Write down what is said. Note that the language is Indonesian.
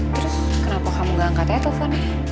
terus kenapa kamu gak angkat aja teleponnya